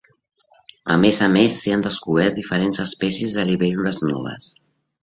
A més a més, s'hi han descobert diferents espècies de libèl·lules noves.